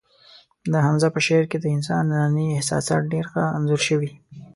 د حمزه په شعر کې د انسان ننني احساسات ډېر ښه انځور شوي